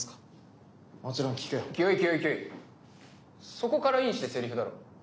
そこからインしてセリフだろ。